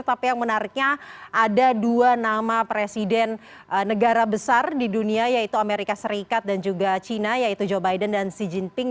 tapi yang menariknya ada dua nama presiden negara besar di dunia yaitu amerika serikat dan juga china yaitu joe biden dan xi jinping